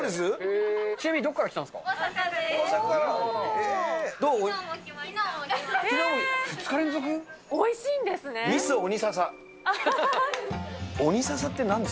ちなみに、どこから来たんで大阪です。